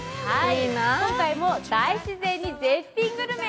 今回も大自然に絶品グルメ！